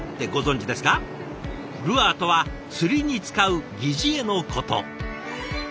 ルアーとは釣りに使う「擬似餌」のこと。